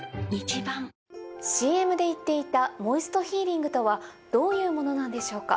ＣＭで言っていたモイストヒーリングとはどういうものなんでしょうか？